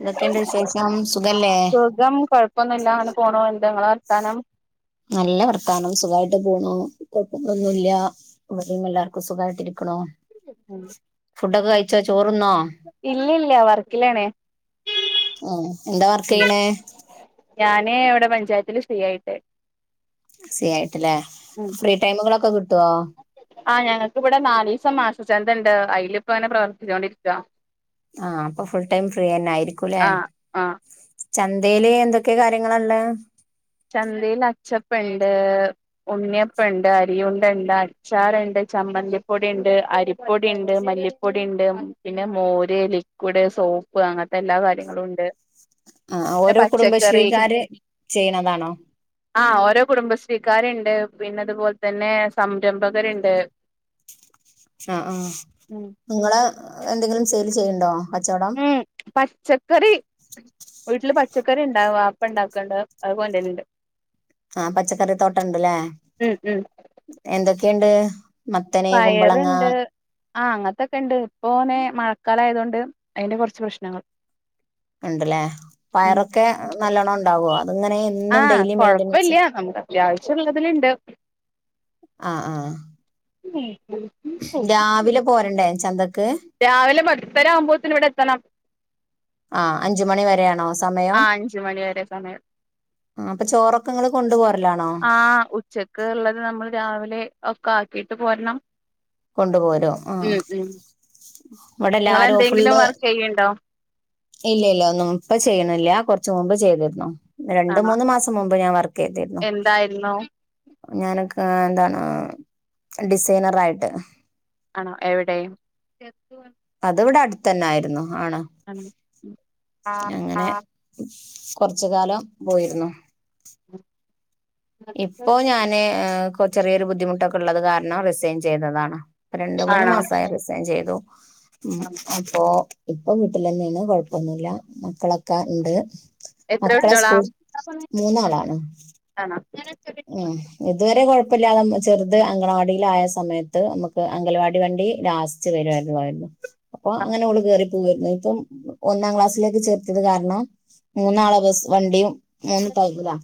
ഇതൊക്കെയേണ്ട വിശേഷം സുഖല്ലേ ഇപ്പൊന്നുംല്ല അങ്ങനെ പോണോ എന്ത നിങ്ങ വരുത്താനം നല്ല വർത്താനം സുഖമായിട്ട് പോണു കുഴപ്പങ്ങളൊന്നുംല്ല ഇവിടെ എല്ലാവർക്കും സുഖമായിട്ടരിക്കണോ ഫുഡൊക്കെ കഴ ഇല്ലില്ല വർക്കിലാണേ ഉ എന്താ വർക്ക് ചെയ്യണ ഞാന് ഇവിടെ പഞ്ചായത്തില്ൽ സ്ത്രീ ആയിട്ടേ സരി ആയിട്ടല്ലേ ഫ്രീ ടൈമുകളൊക്കെ കിട്ട ആഹ് ഞങ്ങക്ക്ിവിടെ നാലല് ദിവസം മാസ ചന്തണ്ട് അയിൽ ഇപ്പ അങ്ങനെ പ്രവർത്തിച്ചോണ്ടിരിക്കുവ ആഹ അപ്പൊ ഫുൾടൈം ഫ്രീ തന്നെ ആയിരിക്കുംല്ലേ ആ ആ ചന്തയില് എന്തൊക്കെ കാര്യങ്ങളല്ല ചന്തൽ അച്ചപ്പുണ്ട് ഉണ്ണിയപ്പുണ്ട് അരിയുണ്ട ഉണ്ട് അച്ചാറണ്ട് ചമ്മന്തി പ്പൊടി ഉണ്ട് അരിപ്പൊടി ഉണ്ട് മല്ലിപ്പൊടി ഉണ്ട് പിന്നെ മോര് ലിക്ഡ് സോപ്പ് അങ്ങനത്തെ എല്ലാ കാര്യങ്ങളും ഉണ്ട് ആ ഓരോ കുടുംബശ്രീകാര് ചെയ്യണം ആഹ ഓരോ കുടുംബ ശ്രീക്കാര് ണ്ട് പിന്നെതുപോലെ തന്നെ സംരംഭകരുണ്ട് ആ ആ ഉം നിങ്ങള് എന്തെങ്കിലും സെയിൽ ചെയ്യണ്ടോ കച്ചവടം ഉം പച്ചക്കറി വീട്ടില് പ പച്ചക്കറി ഉണ്ടാാവും ആപ്പണ്ടാക്കണ്ട അതുപോലെന്ന ഉണ്ട് ആഹ പച്ചക്കറി തോട്ട ഇണ്ടല്ലേ ഉം ഉം എന്തൊക്കെയണ്ട് പയറുണ്ട് ആ അങ്ങനത്തൊക്കെ ഉണ്ട് ഇപ്പോനെ മഴക്കാലയത കൊണ്ട് അതിന്റെ കുറച്ച് പ്രശ്നങ്ങൾ ഉണ്ടല്ലേ ഉം പയറൊക്കെ നല്ലോണ്ണം ഉണ്ടാവോ അത്ങ്ങനെ എന്നും ഡെയിലി മെയിന്റനൻസ് അത്യാവശ്യള്ളതിലുണ്ട് ആഹ ആഹ ഉം രാവിലെ പോരണ്ടേ ചന്ത രാവിലെ പത്തര ആവുമ്പോത്തന് ഇവിടെ എത്തണം ആ അഞ്ചു മണി വരെയാണോ സമയം ആ അഞ്ച് മണി വരെ സമയം ആ അപ്പൊ ചോറൊക്കെ നിങ്ങൾ കൊണ്ടുപോരലാണോ ആ ഉച്ചക്ക് ഉള്ളത് നമ്മൾ രാവിലെ കാക്കിട്ട് പോരണം കൊണ്ടു പോരും ആ ഉം ഉം ഇവടെല്ലാരും നിങ്ങളെന്തെങ്കിലും ഫുള്ള് വർക്ക് ചെയ്യ്ണ്ടോ? ഇല്ല ഇല്ല ഒന്നും ഇപ്പം ചെയ്യണ്ന്നില്ല കൊറച്ച് മുമ്പ് ചെയ്തിരുന്നു രണ്ട്, ആണോ മൂന്ന് മാസം മുമ്പ് ഞാൻ വർ [unintelligible] എന്തായിരുന്നു ഞാനാ ആാ എന്താണ് ഡിസൈനറായിട്ട് ആണോ എവടെ അത് ഇവടെ അട്ത്തന്നൊ ആര്ന്നു ആണോ അങ്ങനെ കൊറച്ച് കാലം പോയിരുന്നു [inaudible] ഇപ്പോ ഞാന് ചെറിയൊരു ബുദ്ധിമുട്ടൊക്കെ ഒള്ളത് കാരണം റിസൈൻ ചെയ്തതാണ് രണ്ട്, മൂന്ന് ആണോ മാസായി റിസൈയ്ൻ ചെയ്തു ഉം ആണോ? അപ്പൊ ഇപ്പൊ വീട്ടില് തന്നെയാണ് കൊഴപ്പൊന്നില്ല മക്കളാക്കെ ഇണ്ട് എത്ര മക്കളെ കുട്ട്യോളാ? സ്കൂൾ മൂന്നാളാണ് ആണോ ഉം ഇത് വെരെ കൊഴപ്പയില്ലാതെ അ ചെറുത് അങ്കണവാടിയിലായ സമയത്ത് നമക്ക് അംഗലാവാടി വണ്ടി ണ്ടി ലാസ്റ്റ് വെരുവാരുന്നു അപ്പം അങ്ങനെ ഒള് കേറി പോരുന്നു ഇപ്പം ഒന്നാം ക്ലാസ്സിലേക്ക് ചേർത്തത് കാരണം മൂന്നാളെ ബെസ് വണ്ടിയും മൂന്ന് ടൈമിലാ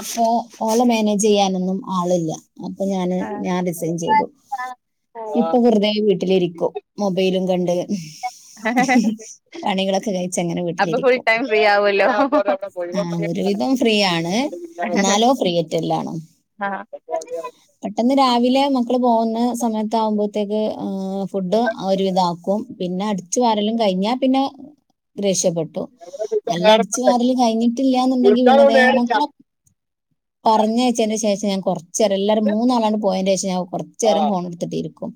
അപ്പോ ഓളോ മാനേജ് ചെയ്യാനൊന്നും ആളില്ലാ അപ്പം ഞാന് ഞാൻ റിസൈൻ ചെയ്തു ഇപ്പം വെറുതെ വീട്ടിലിരിക്കും മൊബൈലും കണ്ട് പണികളൊക്കെ കഴ ച്ചങ്ങനെ അപ്പൊ ഫുൾ വീട്ടിലിരിക്കും ടൈം ഫ്രീ ആവല്ലോ. ആ ഒര് വിധം ഫ്രീയാണ് എന്നാലോ ഫ്രീയട്ടല്ലാനും പെട്ടെന്നെരാ രിലെ മക്കള് പോകുന്ന സമയത്താകുമ്പോഴത്തേക്ക് ആ ഫുഡ് ഒര് വിതം ആക്കും പിന്നെ അട രലും കഴിഞ്ഞാ പിന്നെ രക്ഷപ്പെ ട്ടു അല്ലാ അടിച്ച് വാരാല് കഴിഞ്ഞിട്ടില്ലന്നെണ്ടാങ്കി പിന്നെ ദെ മക്കാ പറഞ്ഞ് അയ്ച്ചതിന് ശേഷം ഞാൻ കൊറച്ച് നേരം എല്ലാരും മൂന്നാളാണ് പോയിന്റെ ശേഷം ഞാൻ കൊറച്ച് നേരം ആഹ് ഫോൺ എട്ത്തിട്ടിരിക്കും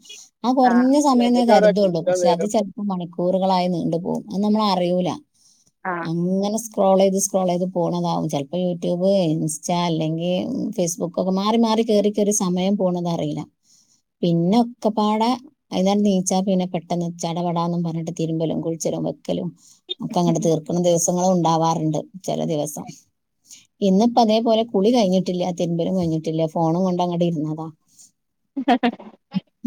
ആാ ആഹ് കൊറഞ്ഞാ സമയോന്ന് ഞമ്മക്കവിടെ കര്തൊള്ളൂ കുളിച്ചാൻ പശെ അത് നേരം ചെലപ്പോ മണി കൂറുകളായി നീണ്ട് പോകും അന്ന് നമ്മള് അറിയുല്ലാ ആഹ് അങ്ങനെ സ സ്ക്രോള് ചെയ്ത് സ്ക്രോള് ചെയ്ത് പോണതാവും ചെലപ്പോ യൂട്യൂ് ഇൻസ്റ്റ അല്ലെങ്കി ഫേസ്ബുക്ക് ഒക്കെ മാറി മാറി കേയറിക്കെ ഒര് സമയം പോകണത് അറിയില്ല പിന്നെ ഒക്കെ പാട അയിന്ന നീച്ച പിന്നെ പെട്ടെന്ന് ചടപാടാന്നന്ന് പറഞ്ഞിട്ട് തിരുമ്പലും കുളിച്ചലും ക്കലും ഒക്കെ അങ്ങനെ തീർക്കണ ദെവസങ്ങളും ഒണ്ടാവാറൊണ്ട് ചെല ദെവസം ഇന്നിപ്പോ അതേപോലെ കുളി കഴിഞ്ഞിട്ടില്ലാ തിര്മ്പലും കഴിഞ്ഞിട്ടില്ലാ ഫോണും കൊണ്ട് അങ്ങട് ഇര്ന്നതാ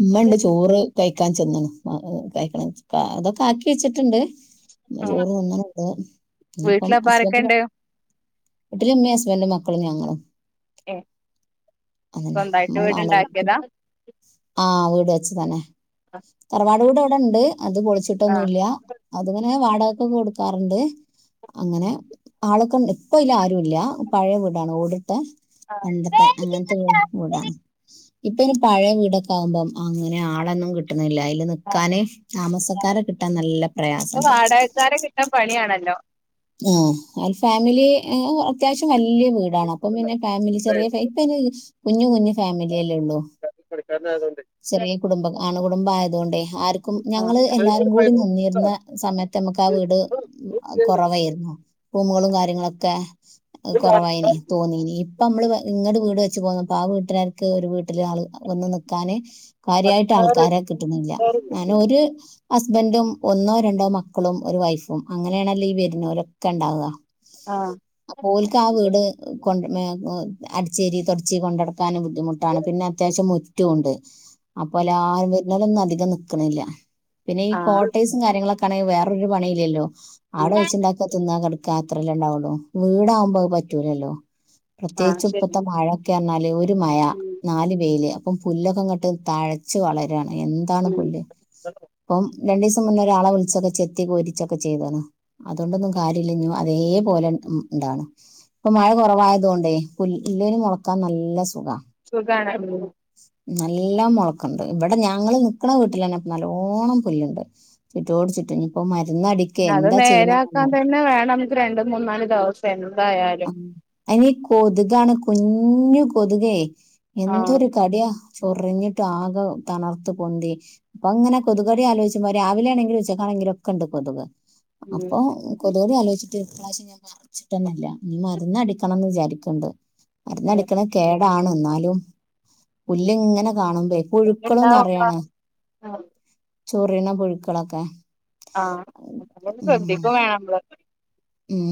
ഉമ്മേണ്ട് ചോറ് കയ് കക്കാൻ ചെന്നണ് ആ അത് കഴിക്കണം അതൊക്കെ ആക്കി വെച്ചിട്ടോണ്ട് ഉം ചോറ് [unintelligible] ഇനിപ്പം വീട്ടിലപ്പ ഹസ്ബെൻ്റെ പ ആരൊക്കെണ്ട് വീട്ടില് ഉമ്മെയും ഹസ്ബൻ്റെ, മക്കളും ഞങ്ങളും ഏഹ് അത് തന്നെ [unintelligible] സ്വന്തായിട്ട് വീട്ണ്ടാക്കിയതാ ഉം ആാ വീട് വെ ച്ച് തന്നെ തറവാട് വീട് എവടെണ്ട് അത് പൊളിച്ചിട്ടൊന്നും ആഹ് ഇല്ലാ അത് ഇങ്ങനെ വാടകൊക്കെ കൊട്ക്കാറോണ്ട് അങ്ങനെ ആളൊക്കെ ഒണ്ട് ഇപ്പം ഇല്ലാ ആ ല്ലാ പഴയാ വീടാണ് ഓടിട്ടെ ആഹ് പണ്ടത്തെ അങ്ങനത്തെ വീ വീടാണ് ഇപ്പം ഇനി പഴയ വീടൊക്കെ ആവുമ്പം അങ്ങനെ ആളൊന്നും കിട്ട ല്ല അയില് ആഹ് നിക്കാന് ആഹ് താമസക്കാരെ കിട്ടാൻ നല്ലാ ഇപ്പൊ പ്രയാസൊണ്ട് വാടകക്കാരെ കിട്ടാൻ പണിയാണല്ലോ ഉം ആ ഫാമിലി യെ അത്യാവശ്യം വല്ല്യാ വീടാണ് അപ്പം പിന്നെ ഫാമിലി ചെറിയ ഇപ്പെ കുഞ്ഞ് കുഞ്ഞ് ഫാമിലിയല്ലേ ഒള്ളൂ [inaudible] ചെറിയ കുടുംബം ആണു കുടുംബായതോണ്ട് ആർക്കും ആഹ് ഞങ്ങള് എല്ലാരും കൂടി ആഹ് നിന്നിര്ന്ന സമയത്ത് ഞമക്ക് ആ വീട് കുറവായിരുന്നു റൂമുകളും കാര്യങ്ങളൊക്കെ കുറവായിന് തോന്നീന് ഇപ്പ നമ്മള് ങ്ങട് വീട് വെ ച്ച് പോന്നപ്പ ആ വീട്ടുകാർക്ക് ഒരു വീ ട്ടില് ആള് വന്ന് നിക്കാന് കാര്യായിട്ട് ആൾക്കാരെ കിട്ടുന്നില്ല ഞാന് ഒരു ഹസ്ബൻറും ഒന്നോ രണ്ടോ മക്കളും ഒരു വൈഫും അങ്ങനെയാണല്ലോ ഈ വരുന്നോരൊ ഒക്കെണ്ടാവുക അപ്പോല്ക്കാ വീട് കൊണ്ട അടിച്ചേരി തുടച്ച് കൊണ്ടടക്കാൻ ബുദ്ധിമുട്ടാണ് പിന്നെ അത്യാവശ്യം മുറ്റോ ഉണ്ട്. അപ്പോലെ ആ വരുന്നരൊന്നും അധികം നിക്കണില്ല, പിന്നെ ഈ ആഹ് കോട്ടേഴ്‌സും കാര്യങ്ങളൊക്കെ ക്കാണെ വേറൊരു പണില്ല്യല്ലോ അവിടെ വെച്ചുണ്ടാക്ക തിന്നാ കിട ക്കാത്രല്ലേ ഉണ്ടാവള്ളൂ വീടാകുമ്പോ അതു പറ്റൂലല്ലോ ആഹ് പ്രത്യേകിച്ചും ശരി ഇപ്പത്തെ മഴ ക്കെ ന്നാല് ഒരു മഴ നാല് വെയില് അപ്പം പുല്ലൊക്കെങ്ങട്ട് തഴച്ച് വളര്വാണ്. എന്താണ് പുല്ല് ഇപ്പം രണ്ടു ദിവസം മുന്നേ ഒരാളെ വിളിച്ചൊക്കെ ചെത്തി കോരിച്ചൊക്കെ ചെയ്താണ് അതൊണ്ടൊന്നും കാര്യല്ലിനി വ അതേപോലെ ഇണ്ടാവ്ണ് ഇപ്പൊ മഴ കുറവായതു കൊണ്ടേ പുല്ലിന് മുളക്കാൻ നല്ല സുഖാ. സുഖാണ്. ഉം. നല്ല മുളക്കുണ്ട് ഇവിടെ ഞങ്ങള് നിക്കണ വീട്ടിലന്നെപ്പ നല്ലോണ്ണം പുല്ലുണ്ട് ചുറ്റോട് ചുറ്റ റ്റിനിപ്പ മരു അത് നേരാക്കാൻ തന്നെ വേണം നമുക്ക് രണ്ട മൂന്നാല് ദിവസം ന്നാല്. ഉം അയിനീ കൊതുകാണ് കുഞ്ഞു കൊതുകേ. ആഹ് എന്തൊരു കടിയാ. ചൊറിഞ്ഞിട്ട് ആകെ തണർത്ത് പൊന്തി, അപ്പൊങ്ങനെ കൊതുകടി ആലോചിച്ച്പ രാവിലെ ആണെങ്കിലുച്ചക്കാണെ എങ്കിലൊക്കെ ഒണ്ട് കൊതുക് അപ്പൊ കൊതുകടി ആലോചിട്ട് ഇപ്രാവശ്യം ഞാൻ മറച്ചിട്ടന്നില്ല. ഇനി മരന്നടിക്കണംന്ന് വിചാരിക്കണ്ട് മരന്നടിക്കണെ കേ ടാണെന്നാലും പുല്ലിങ്ങനെ കാണുമ്പേ പുഴുക്കളും ഉണ്ടാവും നെറയാണ് ചൊറിയണ പുഴുക്കളൊക്കെ. ആ അതുകൊണ്ട് ഉം ശ്രദ്ധിക്കും വേണം നമ്മള്. ഉം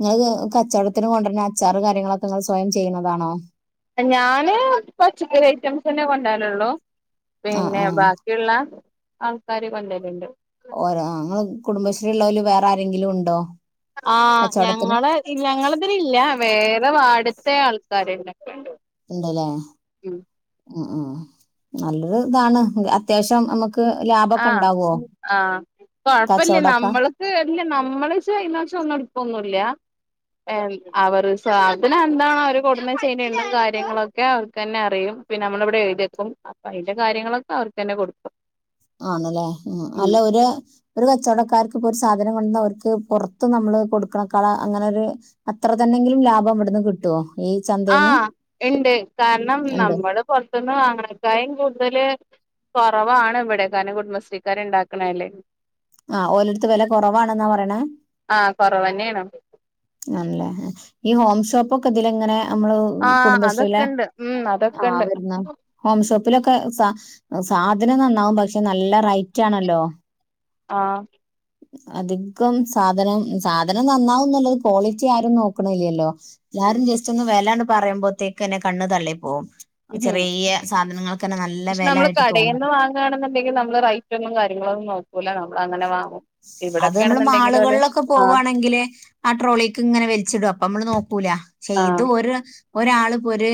നിങ്ങള് കച്ചവടത്തിന് കൊണ്ടരണ അച്ചാറ് കാര്യങ്ങളൊക്കെ നിങ്ങള് സ്വയം ചെയ്യുന്നതാണോ? ഞാന് പച്ചക്കറി ഐറ്റംസ് തന്നെ കൊണ്ടരലൊള്ളൂ. ആ പിന്നെ ആ ബാക്കിയുള്ള ആൾക്കാര് കൊണ്ടരലുണ്ട്. ഓരോ ങ്ങള് കുടുംബശ്രീ ഉള്ളവല് വേറാരെങ്കിലും ഉണ്ടോ? ആ കച്ചവടത്തിന് ഞങ്ങള് ഞങ്ങളതിലില്ല വേറെ വാഡിൽത്തെ ആൾക്കാരൊണ്ട്. ഉണ്ടല്ലേ ഉം ഉം നല്ലൊരു ഇതാണ്, അത്യാവശ്യം നമ്മക്ക് ലാഭൊക്കെ ഉണ്ടാവ്വോ? ആ കൊഴപ്പില്ല നമ്മള്ക്ക് അല്ല നമ്മള് [unintelligible] ഒന്നും എടുക്കുവൊന്നുംല്ല [unintelligible] അവര് സാധനം എന്താണോ അവർ കൊണ്ടുന്നു ചെയ്യണ്ട കാര്യങ്ങളൊക്കെ അവർക്ക് തന്നെ അറിയും പിന്നെ നമ്മളിവിടെ എഴുത്യക്കും അപ്പൊ അതിന്റെ കാര്യങ്ങളൊക്കെ അവർക്ക് തന്നെ കൊടുക്കും. ആന്നല്ലേ, അല്ല ഒരു ഒരു കച്ചവടക്കാർക്ക് പ്പൊരു സാധനം കൊണ്ടന്നാ അവർക്ക് പുറത്ത് നമ്മള് കൊടുക്കണക്കാള് അങ്ങനെ ഒരു അത്ര തന്നെങ്കിലും ലാഭം ഇവിടുന്ന് കിട്ടുവോ? ഈ ആ ചന്തയിൽന്ന് ഇണ്ട്, കാരണം ഉണ്ട് നമ്മള് പൊറത്തന്ന് വാങ്ങണക്കായും കൂടുതല് കൊറവാണിവിടെ, കാരണം കുടുംബശ്രീക്കാരുണ്ടാക്കണതല്ലേ. ആ ഓലടുത്ത് വെല കുറവാണെന്നാ പറയണ? ആഹ് കുറവ് തന്നെയാണ് ആണല്ലേ, ഈ ഹോം ഷോപ്പ് ഒക്കെ ഇതിലിങ്ങനെ നമ്മള് ആഹ് കുടുംബശ്രീയിലെ, അതൊക്കെ ഉണ്ട് ഉം ആ അതൊക്കെ ഉണ്ട് വരുന്ന ഹോം ഷോപ്പിലൊക്കെ സാ സാധനം നന്നാവും പക്ഷെ നല്ല റൈറ്റാണല്ലോ? ആഹ് അധികം സാധനം, സാധനം നന്നാവന്നുള്ളത് ക്വാളിറ്റി ആരും നോക്കണില്ല്യല്ലോ. എല്ലാരും ജസ്റ്റ് ഒന്നു വെലാണ്ട് പറയുമ്പോത്തേക്കന്നെ കണ്ണു തള്ളി പോകും. ഉം നല്ല പക്ഷെ വില നമ്മള് ആയിട്ട് തോന്നും കടയിന്ന് വാങ്ങാണെന്നുണ്ടെങ്കി നമ്മള് റൈറ്റൊന്നും കാര്യ ങ്ങളൊന്നും നോക്കൂല നമ്മളങ്ങനെ വാങ്ങും. അത് നമ്മള് ഇവിടൊക്കെയാണെന്നുണ്ടെങ്കിൽ ഓല് മാളുകളിലൊക്കെ ആഹ് പോകുവാണെങ്കില് ആ ട്രോളിൽക്ക് ഇങ്ങനെ വലിച്ചിടും അപ്പൊ നമ്മള് നോക്കൂല. ര ചെയ്ത് ഒരാള് പ്പം ഒര്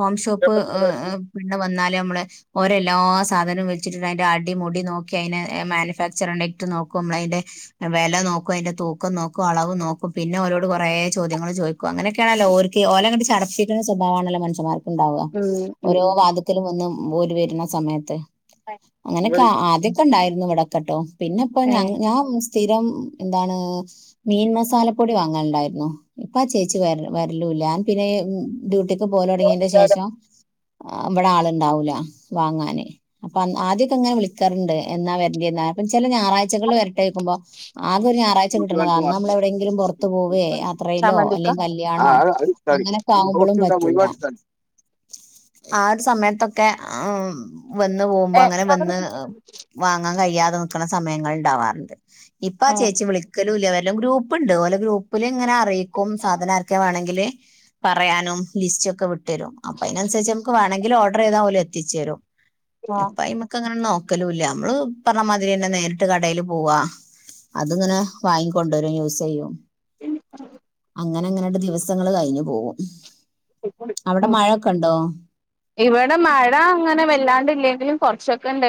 ഹോംഷോപ്പ് ആഹ് പി ഇവിടെ വന്നാല് നമ്മ ഓരെല്ലാ സാധനവും വെച്ചി അതിന്റെ അടിമടി നോക്കി അതി മാനുഫാക്ചർ ആണ് എറ്റോ ന നമ്മൾ അതിന്റെ വെല നോക്കും അതിന്റെ തൂക്കം നോക്കും അളവ് നോക്കും പിന്നെ അവരോട് കൊറേ ചോദ്യങ്ങൾ ചോദിക്കും അങ്ങനൊക്കാണല്ലോ ഓർക്ക് ഓലങ്ങനെ ചടപ്പിക്കണ സ്വാഭാവമാണല്ലോ മനുഷ്യമാർക്ക് ഉണ്ടാവുക ഉം ഉം ഓരോ വാദത്തിലും വന്ന് ഓര് വെര്ണ സമയത്ത് അങ്ങനെയൊക്കെ മതി ആദ്യക്കെ ഉണ്ടായിരുന്നു ഇവിടൊക്കെട്ടോ പിന്നെ ഇപ്പ ഞ ഏഹ് ഞാൻ സ്ഥിരം എന്താണ് മീൻ മസാലപ്പൊടി വാങ്ങാനുണ്ടായിരുന്നു ഇപ്പചേച്ചി വര വരലു ലാൻ പിന്നെ ഡ്യൂട്ടിക്ക് പോവല് തുടങ്ങിയന്റെ ശേഷം ഇവ്ടെ ആളുണ്ടാവൂല വാങ്ങാന് അപ്പൊ ആദ്യക്കെ അങ്ങനെ വിളിക്കാറ്ണ്ട് എന്നാ വരണ്ടേ ചെ ഞായറാ ഴ്ചകൾ വരട്ടേക്കുമ്പോ ആകെ ഒരു ഞാറാഴ്ച കിട്ടണതാ കുട്ടികൾക്ക് അന്നമ്മള്ള് എവിടെയെങ്കിലും പുറത്തു പോവേ മാത്രം യാത്രയിലോ ചമ്മന്തിക്കാ അല്ലങ്കിൽ കല്യാണോ ആഹ് അത് ഇഷ്ടാണ് അങ്ങനെയൊക്കെ ആവുമ്പോളും ഒട്ടുണ്ടാവും പറ്റൂല ഒരുപാട് ഇഷ്ടാണ് ആ ഒരു സമയത്തൊക്കെ ആ വന്ന് പോകുമ്പോ അങ്ങനെ ആഹ് വന്ന് വാങ്ങാൻ കഴിയാതെ നിക്കണ സമയങ്ങൾ ഉണ്ടാവാറുണ്ട് ഇപ്പൊ ആ ചേച്ചി വിളിക്കലുല്ല വരലു ഗ്രൂപ്പ്ണ്ട് ഓലെ ഗ്രൂപ്പില് എങ്ങനെ അറിയിക്കും സാധനക്കെ വണെങ്കിൽ പറയാനും ലിസ്റ്റ ഒക്കെ വി ട്ടെരും അപ്പൊ അതിനനുസരിച്ച് മ്മക്ക് വണെങ്കിൽ ഓഡർ ചെയ്താൽ ഓല്ല്എത്തിച്ചുരും ആഹ് ഇപ്പയ്ക്ക്ങ്ങനെ നോ നിക്കലുല്ല മ്മള് പറഞ്ഞമാതിരിന്നെ നേരിട്ട് ട്ട് കടൽ പോവാ അത്ങ്ങനെ വാങ്ങി കൊണ്ടുവര യൂസ് ചെയ്യും എ [unintelligible] അങ്ങനെ അങ്ങനെ ദിവസങ്ങള് കഴിഞ്ഞു പോകും അവിടെ ഉം മഴൊക്കെ ഉണ്ടോ ഇവിടെ മഴ അങ്ങനെ വെല്ലാണ്ട്ല്ലെങ്കിലും കൊറച്ചൊക്കൊണ്ട്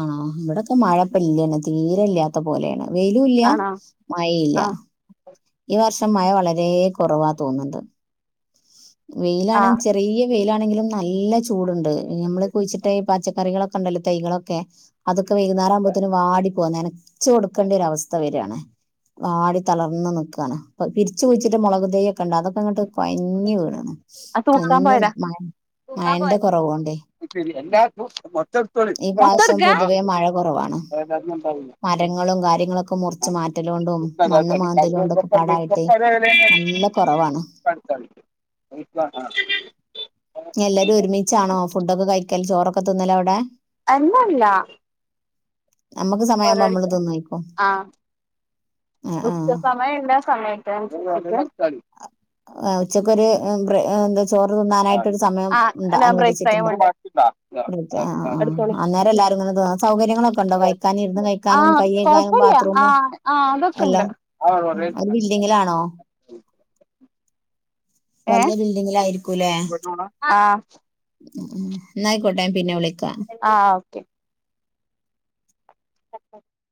ആണോ ഇവിടൊക്കെ മഴപ്പല്ലാന്ന് തീരെ ഇല്ലാത്ത പോലെയാണ് വെയ്ലുംല്ല ആണോ മഴയുംല്ല ആഹ് ഈ വർഷം മഴ വളരെ കുറവാ തോന്ന്ണ്ട് വെയിലാണ് ആഹ് ചെറിയ വെയിലാണെങ്കിലും നല്ല ചൂടുണ്ട് നമ്മള് കുഴിച്ചിട്ട് പച്ചക്കറികളൊക്കെ ഉണ്ടല്ലോ തൈകളൊക്കെ അതൊക്ക വൈകുന്നേരം ആക്പോത്തേന് വാടി പോവാന്ന് നനച്ചു കൊടുക്കേണ്ട ഒരവസ്ഥ വരാണ് വാടി തളർന്ന് നിക്കാണ് അപ്പൊ പിരിച്ച് കുഴിച്ചിട്ട് മുളകു തൈ ഒക്കെ ഉണ്ട് അതൊക്കെ അങ്ങോട്ട് കൊഴഞ്ഞ് വീണ് ണ് അത് തൂക്കാൻ എന്നും പോയതാ മ തൂക്കാൻ മഴന്റെ പോയതാ കുറവോണ്ടേ ശരി എല്ലാർക്കും മൊത്തം എടുത്തോളി ഈ മൊത്തം പ്രാവിശ്യം എടുക്കാ പൊതുവേ മഴ കുറവാണ് എല്ലാർക്കും ഉണ്ടാവില്ല മരങ്ങളും കറ്റും കാര്യങ്ങളൊക്കെ മുറിച്ച് മാറ്റ ലോണ്ടും മണ്ണ് മാന്തലോണ്ടും ക്കെ [unintelligible] എല്ലാരും ഒരുമിച്ചാണോ ഫുഡൊക്കെ കഴിക്കാല് ചോറൊക്കെ തിന്നല്ല് അവിടെ അല്ലല്ല നമുക്ക് സമയമാകുമ്പോ നമ്മള് ഒരടിക്ക തിന്നോയിക്കും ആഹ ആ ഉച്ച സമയം എല്ലാ സമയത്ത് ആ ഉച്ചക്കൊരു ബ്രേ- എന്താ ചോറ് തിന്നാനായിട്ടൊരു സമയം ആഹ് ഉണ്ടോ അല്ല ബ്രേക്ക് ടൈം അനുവദിച്ചിട്ടുണ്ടോ ഉണ്ട് അ എടുത്തോളി അ അനേരം സൗകര്യങ്ങളൊക്കെ ഉണ്ടോ കഴിക്കാനും ഇരുന്ന് കഴിക്കാനും ആഹ് കൈഴക്കാനും കൊഴപ്പല്ല ബാത്രൂമം ആഹ് ആഹ് അതൊക്കെ എല്ലാം ഉണ്ട് ഉ അത് ബിൽഡിങ്ങിലാണോ ഏഹ് വല്യ ബിൽഡിങ്ങിലയിരിക്കുംല്ലേ ആഹ് മ്മ് എന്നായിക്കോട്ടെ ഞാൻപിന്നെ വിളി ആഹ ഓക്കെ [unintelligible]